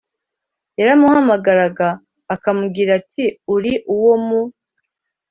yaramuhamagaraga akamubwira ati uri uwo mu